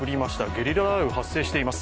ゲリラ雷雨が発生しています。